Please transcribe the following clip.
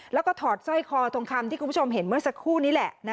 แล้วก็ถอดสร้อยคอทองคำที่คุณผู้ชมเห็นเมื่อสักครู่นี้แหละ